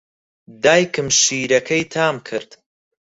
دایکم شیرەکەی تام کرد.